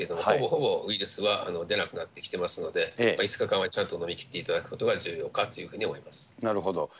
ほぼほぼウイルスは出なくなってきてますので、５日間はちゃんと飲みきっていただくことが重要かというふうに思なるほど。